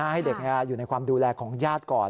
ให้เด็กอยู่ในความดูแลของญาติก่อน